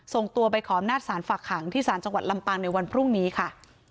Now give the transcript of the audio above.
ส่งตัวไปขอบหน้าสารฝากหางที่สารจังหวัดลำปังในวันพรุ่งนี้ค่ะ